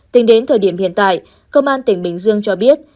tính đến thời điểm hiện tại công an tỉnh bình dương cho biết